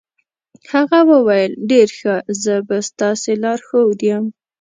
هغه وویل ډېر ښه، زه به ستاسې لارښود یم.